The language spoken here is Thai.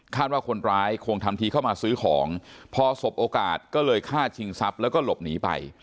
ว่าคนร้ายคงทำทีเข้ามาซื้อของพอสบโอกาสก็เลยฆ่าชิงทรัพย์แล้วก็หลบหนีไป